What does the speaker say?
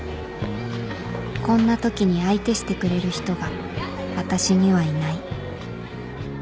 こんなときに相手してくれる人が私にはいない